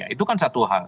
itu kan satu hal